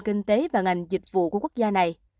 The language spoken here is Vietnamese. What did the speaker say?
kinh tế và ngành dịch vụ của quốc gia này